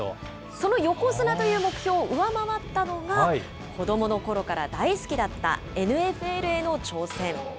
その横綱という目標を上回ったのが、子どものころから大好きだったＮＦＬへの挑戦。